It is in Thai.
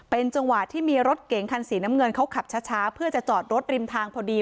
เป็นจังหวะที่มีรถเก๋งคันสีน้ำเงินเขาขับช้าเพื่อจะจอดรถริมทางพอดี